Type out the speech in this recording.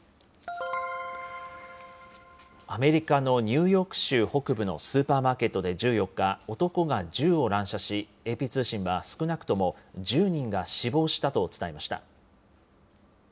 アメリカのニューヨーク州北部のスーパーマーケットで１４日、男が銃を乱射し、ＡＰ通信は少なくとも１０人が死亡したと伝えました。